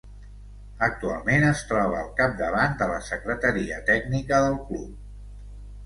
Actualment es troba al capdavant de la secretaria tècnica del club.